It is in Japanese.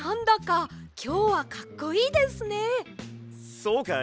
そうかい？